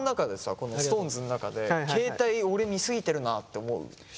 このＳｉｘＴＯＮＥＳん中で携帯俺見過ぎてるなって思う人いる？